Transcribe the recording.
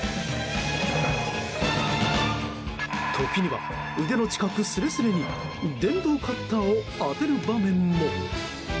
時には、腕の近くすれすれに電動カッターを当てる場面も。